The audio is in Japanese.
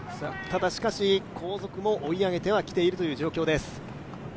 ただしかし、後続も追い上げてはきている状況です。